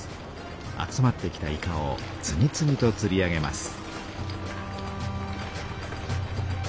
集まってきたイカを次々とつり上げます。